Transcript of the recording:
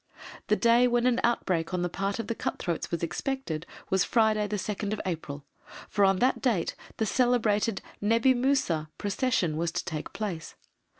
The day when an outbreak on the part of the cut throats was expected was Friday, 2nd April, for on that date the celebrated "Nebi Musa" procession was to take place.